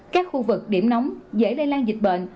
các khu vực điểm nóng dễ lây lan dịch bệnh